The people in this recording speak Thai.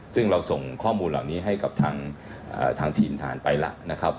ซึ่งเราส่งข้อมูลเหล่านี้ให้กับทางทีมฐานไปแล้วนะครับ